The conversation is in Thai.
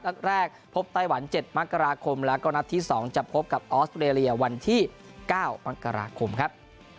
นัดแรกพบไต้หวัน๗มกราคมแล้วก็นัดที่๒จะพบกับออสเตรเลียวันที่๙มกราคมครับ